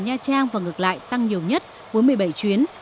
đến sài gòn nha trang và ngược lại tăng nhiều nhất với một mươi bảy chuyến